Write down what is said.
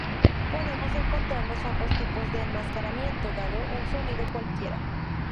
Podemos encontrarnos ambos tipos de enmascaramiento dado un sonido cualquiera.